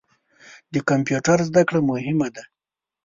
د کمپیوټر زده کړه مهمه ده.